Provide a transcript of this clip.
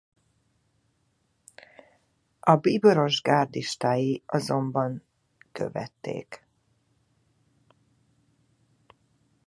A bíboros gárdistái azonban követték.